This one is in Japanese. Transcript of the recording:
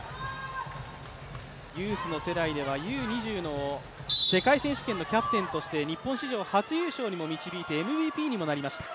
ユースの世代ではＵ−２０の世界選手権のキャプテンとして日本史上初優勝にも導いてＭＶＰにもなりました。